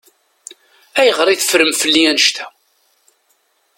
Ayɣer i teffrem fell-i annect-a?